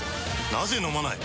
なぜ飲まない？